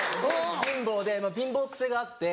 貧乏で貧乏癖があって。